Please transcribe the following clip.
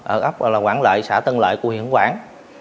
ở góc quảng lợi xã tân lợi khu huyện quảng